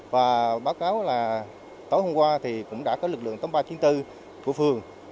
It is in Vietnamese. và báo cáo là tối hôm qua thì cũng đã có lực lượng tống ba chiến tư của phường